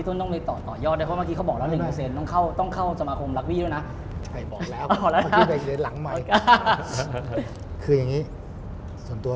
ต่อไปจะเป็นขั้นไหนดีครับ